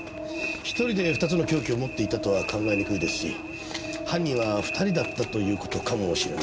１人で２つの凶器を持っていたとは考えにくいですし犯人は２人だったという事かもしれませんね。